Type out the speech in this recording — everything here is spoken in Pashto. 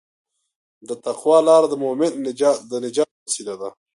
د تقوی لاره د مؤمن د نجات وسیله ده.